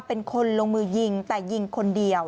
เป็นคนลงมือยิงแต่ยิงคนเดียว